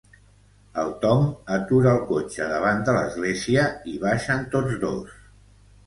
El Tom atura el cotxe davant de l'església i baixen tots dos.